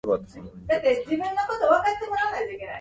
北海道中富良野町